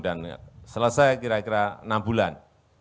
dan selesai kira kira enam bulan